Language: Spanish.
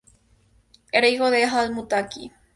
Era hijo de Al-Muttaqui.